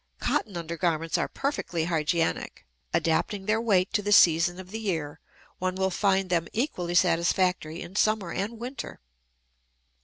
Cotton undergarments are perfectly hygienic; adapting their weight to the season of the year, one will find them equally satisfactory in summer and winter.